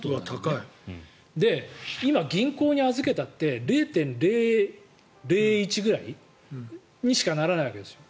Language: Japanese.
今、銀行に預けたって０．０１ぐらいにしかならないわけですよ。